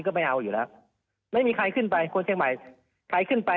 ก็ไม่เอาอยู่แล้วไม่มีใครขึ้นไปคนเชียงใหม่ใครขึ้นไป